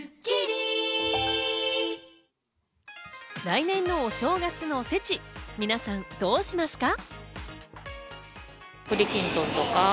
来年のお正月のおせち、皆さんはどうしますか？